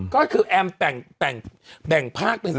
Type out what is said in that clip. ก็คือแอมแต่งแบ่งภาคเป็นสองคน